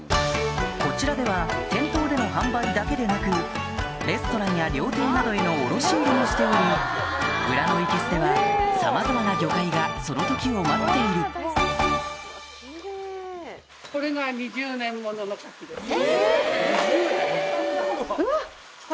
こちらでは店頭での販売だけでなくレストランや料亭などへの卸売りもしており裏のいけすではさまざまな魚介がその時を待っているキレイ。え！